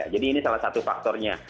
ini salah satu faktornya